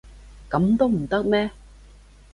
噉都唔得咩？